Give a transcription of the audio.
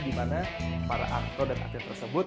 di mana para aktor dan atlet tersebut